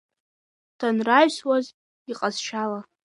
Данраҩсуаз, иҟазшьала…